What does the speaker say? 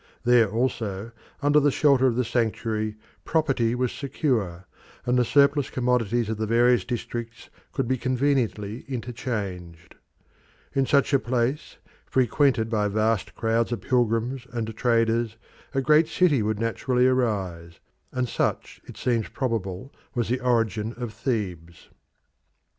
There also, under the shelter of the sanctuary, property was secure, and the surplus commodities of the various districts could be conveniently interchanged. In such a place, frequented by vast crowds of pilgrims and traders, a great city would naturally arise, and such it seems probable was the origin of Thebes.